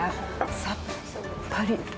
さっぱり！